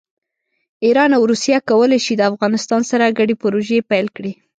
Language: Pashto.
ایران او روسیه کولی شي د افغانستان سره ګډې پروژې پیل کړي.